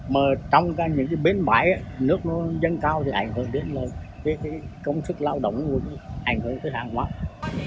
mà trong các những bến bãi nước dân cao thì ảnh hưởng đến công sức lao động ảnh hưởng tới hàng quán